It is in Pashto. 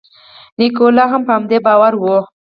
نیکولای هم په همدې باور و.